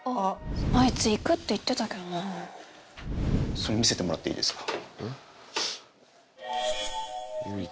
それ見せてもらっていいですか？